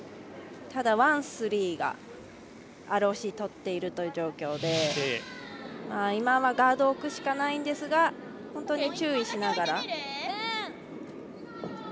ただワン、スリーがＲＯＣとっているという状況で今はガード置くしかないんですが本当に注意しながら。